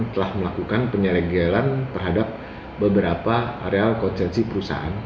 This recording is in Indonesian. telah melakukan penyegelan terhadap beberapa area konsesi perusahaan